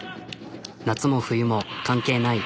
夏も冬も関係ない。